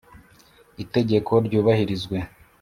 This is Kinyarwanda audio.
itegeko ryubahirizwe